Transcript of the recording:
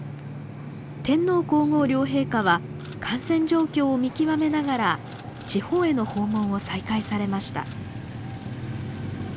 天皇皇后両陛下は感染状況を見極めながら地方への訪問を再開されました。